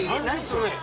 それ。